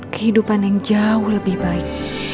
kehidupan yang jauh lebih baik